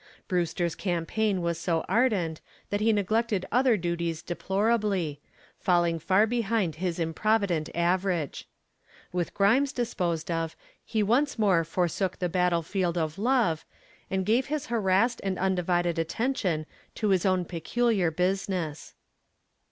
Brewster's campaign was so ardent that he neglected other duties deplorably, falling far behind his improvident average. With Grimes disposed of, he once more forsook the battlefield of love and gave his harassed and undivided attention to his own peculiar business.